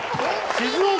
静岡？